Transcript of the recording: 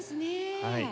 はい。